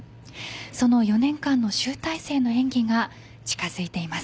その４年間の集大成の演技が近づいています。